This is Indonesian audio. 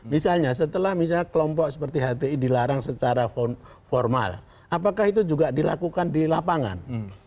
misalnya setelah misalnya kelompok seperti hti dilarang secara formal apakah itu juga dilakukan di lapangan